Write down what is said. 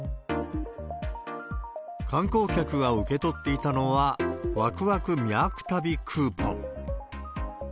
観光客が受け取っていたのは、わくわくみゃーく旅クーポン。